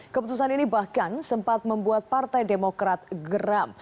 keputusan ini bahkan sempat membuat partai demokrat geram